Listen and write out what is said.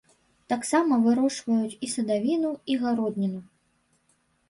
Таксама вырошчваюць і садавіну, і гародніну.